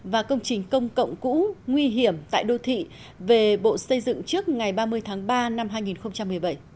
và công trình công cộng cũ nguy hiểm tại đô thị về bộ xây dựng trước ngày ba mươi tháng ba năm hai nghìn một mươi bảy